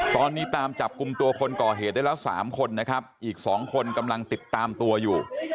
ตอนนี้ตามจับกลุ่มตัวคนก่อเหตุได้แล้ว๓คนนะครับอีก๒คนกำลังติดตามตัวอยู่